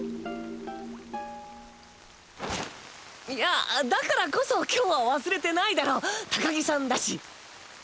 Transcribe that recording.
いやだからこそ今日は忘れてないだろ高木さんだし。